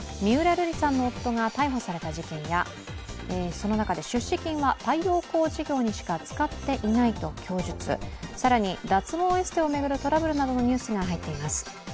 瑠麗さんの夫が逮捕された事件やその中で出資金は太陽光事業にしか使っていないと供述、更に、脱毛エステを巡るトラブルのニュースなどが入っています。